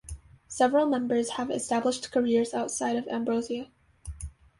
Several members have established careers outside of Ambrosia.